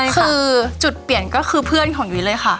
คือจุดเปลี่ยนก็คือเพื่อนของยุ้ยเลยค่ะ